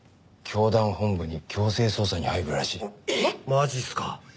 マジっすか？